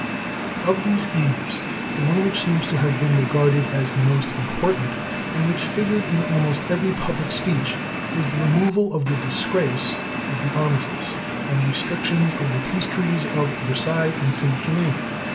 Of these aims, the one which seems to have been regarded as the most important, and which figured in almost every public speech, was the removal of the "disgrace" of the Armistice, and the restrictions of the peace treaties of Versailles and Saint Germain.